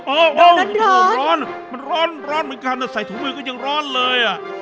โอ้โหโหร้อนร้อนเหมือนกันนะใส่ถุงมือก็ยังร้อนเลย